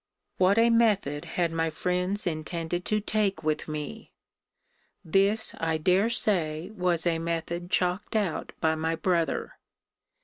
What a method had my friends intended to take with me! This, I dare say, was a method chalked out by my brother.